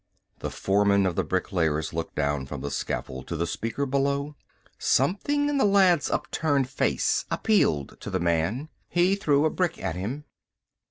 The foreman of the bricklayers looked down from the scaffold to the speaker below. Something in the lad's upturned face appealed to the man. He threw a brick at him.